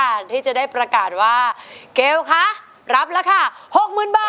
และได้ประกาศว่าเกลค่ะรับราคา๖๐๐๐๐บาท